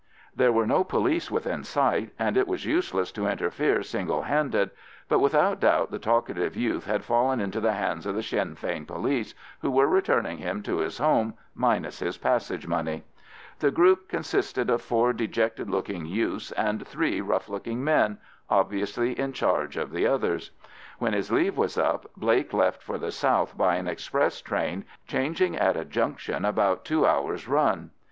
There were no police within sight, and it was useless to interfere single handed, but without doubt the talkative youth had fallen into the hands of the Sinn Fein Police, who were returning him to his home minus his passage money: the group consisted of four dejected looking youths and three rough looking men, obviously in charge of the others. When his leave was up Blake left for the south by an express train, changing at a junction after about two hours' run.